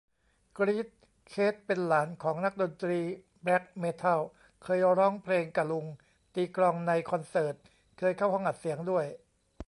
กรี๊ด เคท เป็นหลานของนักดนตรีแบล็คเมทัล เคยร้องเพลงกะลุง ตีกลองในคอนเสิร์ต เคยเข้าห้องอัดเสียงด้วย